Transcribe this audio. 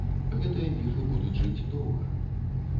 Гэтыя міфы будуць жыць доўга.